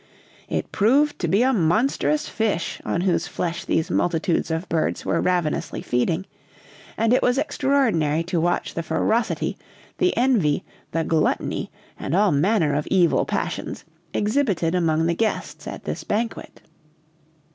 It proved to be a monstrous fish on whose flesh these multitudes of birds were ravenously feeding; and it was extraordinary to watch the ferocity, the envy, the gluttony, and all manner of evil passions, exhibited among the guests at this banquet.